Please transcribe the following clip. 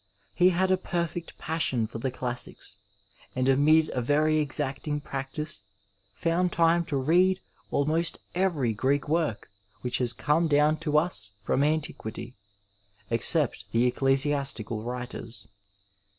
He had a perfect passion for the classics, and amid a very exacting practice found time to read " almost every Greek work which has come down to us from antiquity, except the ecclesiastical writers.''